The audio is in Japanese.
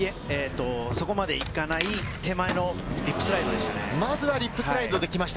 そこまでいかない手前のリップスライドでしたね。